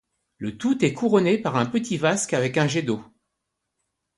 Le tout est couronné par un petit vasque avec un jet d'eau.